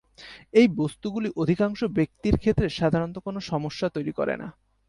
এই বস্তুগুলি অধিকাংশ ব্যক্তির ক্ষেত্রে সাধারণত কোনো সমস্যা তৈরি করে না।